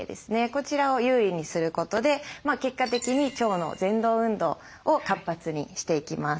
こちらを優位にすることで結果的に腸のぜん動運動を活発にしていきます。